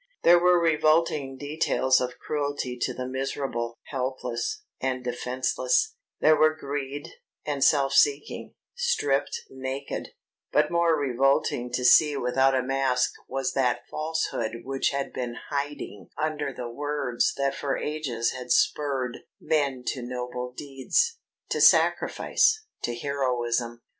There were revolting details of cruelty to the miserable, helpless, and defenceless; there were greed, and self seeking, stripped naked; but more revolting to see without a mask was that falsehood which had been hiding under the words that for ages had spurred men to noble deeds, to self sacrifice, to heroism.